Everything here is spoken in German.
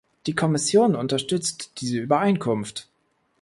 Die Kommission unterstützt diese Übereinkunft.